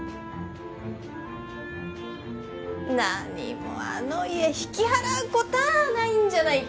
何もあの家引き払うこたあないんじゃないかい？